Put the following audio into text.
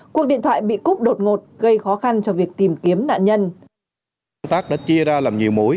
cuộc điện thoại bị cúp đột ngột gây khó khăn cho việc tìm kiếm nạn nhân